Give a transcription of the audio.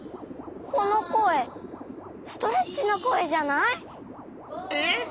このこえストレッチのこえじゃない？えっ？